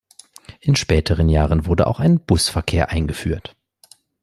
In späteren Jahren wurde auch ein Busverkehr eingeführt.